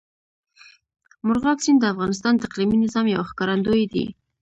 مورغاب سیند د افغانستان د اقلیمي نظام یو ښکارندوی دی.